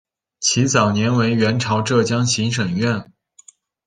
其早年为元朝浙江行省掾。